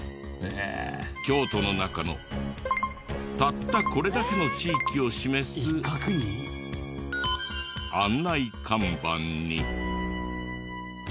京都の中のたったこれだけの地域を示す案内看板に。